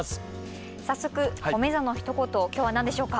早速おめざのひと言を今日は何でしょうか？